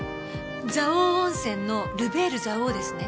蔵王温泉のル・ベール蔵王ですね？